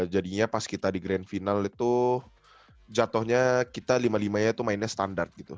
jadinya pas kita di grand final itu jatuhnya kita lima limanya itu mainnya standar gitu